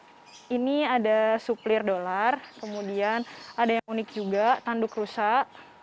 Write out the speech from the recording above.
misalnya ada yang ini ini ada suplir dolar kemudian ada yang unik juga tanduk rusak